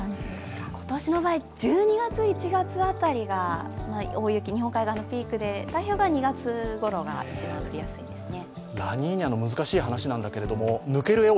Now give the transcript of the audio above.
今年の場合、１２月、１月辺りが大雪、日本海側のピークで太平洋側は２月が一番きやすいですね。